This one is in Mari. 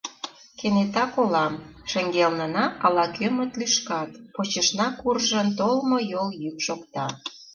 Кенета колам — шеҥгелнына ала-кӧмыт лӱшкат, почешна куржын толмо йол йӱк шокта.